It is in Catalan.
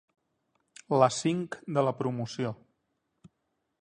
La cinc de la promoció.